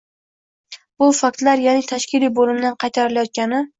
Bu faktlar, ya’ni tashkiliy bo‘limdan qaytarilayotgani